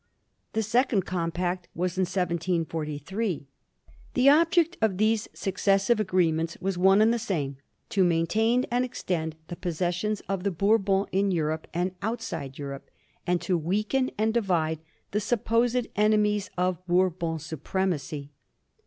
The second compact was in 1743. The object of these successive agreements was one and the same : to maintain and extend the pos sessions of the Bourbons in Europe and outside Europe, and to weaken and divide the supposed enemies of Bour bon supremacy.